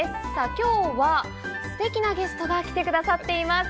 今日はステキなゲストが来てくださっています。